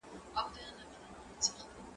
زه اوږده وخت مځکي ته ګورم وم!؟